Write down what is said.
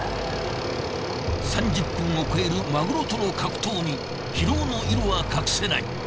３０分を超えるマグロとの格闘に疲労の色は隠せない。